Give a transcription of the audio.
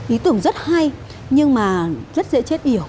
ý tưởng rất hay nhưng mà rất dễ chết hiểu